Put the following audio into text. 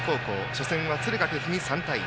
初戦は敦賀気比に３対１。